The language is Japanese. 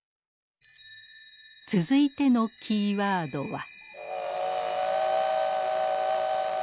続いてのキーワードは。